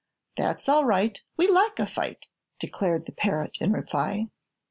"That's all right; We like a fight," declared the parrot, in reply.